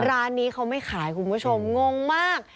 ร้านนี้เขาไม่ขายคุณผู้ชมงงมาก